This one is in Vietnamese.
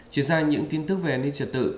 chuyển sang những tin tức về an ninh trật tự